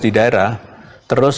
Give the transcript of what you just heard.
di daerah terus